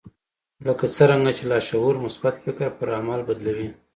لکه څرنګه چې لاشعور مثبت فکر پر عمل بدلوي